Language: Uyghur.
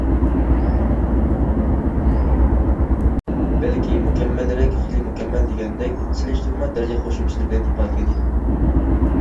بەلكى« مۇكەممەلرەك، خېلى مۇكەممەل» دېگەندەك سېلىشتۇرما دەرىجە قوشۇمچىلىرى بىلەن ئىپادىلىگەن ئىدىم.